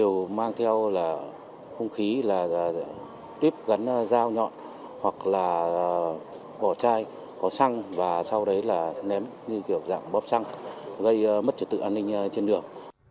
điều mang theo là hung khí là tuyếp gắn dao nhọn hoặc là vỏ chai có xăng và sau đấy là ném như kiểu dạng bóp xăng gây mất trật tự an ninh trên đường